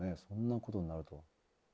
そんなことになるとは。